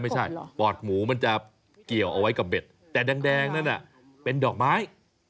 ไม่ใช่ปอดหมูมันจะเกี่ยวเอาไว้กับเบ็ดแต่แดงนั่นน่ะเป็นดอกไม้